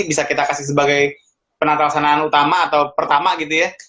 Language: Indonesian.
bisa kita kasih sebagai penata laksanaan utama atau pertama gitu ya